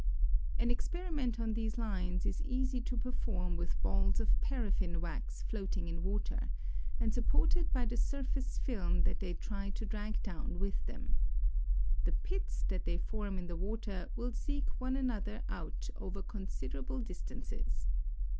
An experiment on these lines is easy to perform '^ith balls of paraffin wax floating in water, and supported by the surface film that they try to drag down with them. The pits that they form in the water will seek one another out over considerable distances.